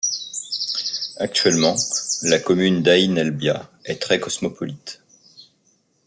Actuellement, la commune d'AÏn el Bia est très cosmopolite.